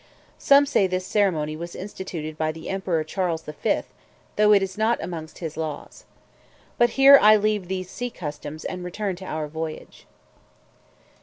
Some say this ceremony was instituted by the Emperor Charles V. though it is not amongst his laws. But here I leave these sea customs, and return to our voyage.